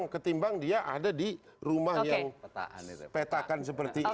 ketimbang dia ada di rumah yang petakan seperti itu